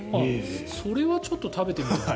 それはちょっと食べてみたいな。